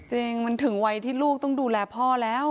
จริงมันถึงวัยที่ลูกต้องดูแลพ่อแล้ว